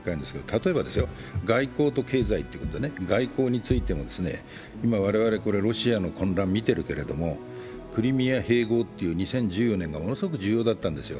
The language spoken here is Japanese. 例えば、外交と経済ということで、外交についても、今、我々ロシアの混乱見てるけどもクリミア併合という、２０１４年ものすごく重要だったんですよ。